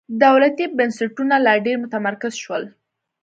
دولتي بنسټونه لا ډېر متمرکز شول.